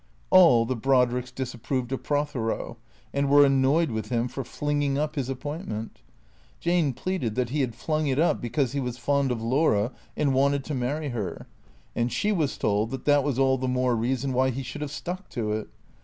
All the Brodricks disapproved of Prothero and were annoyed with him for flinging up his appointment. Jane pleaded that he had flung it up because he was fond of Laura and wanted to marry her ; and she was told that that was all the more reason why he should have stuck to it.